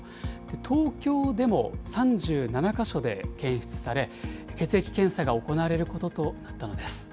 東京でも３７か所で検出され、血液検査が行われることとなったのです。